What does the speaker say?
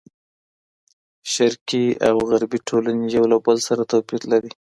شرقي او غربي ټولنې یو له بل سره توپیر لري.